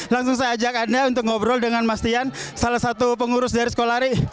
langsung saya ajak anda untuk ngobrol dengan mas dian salah satu pengurus dari sekolah ri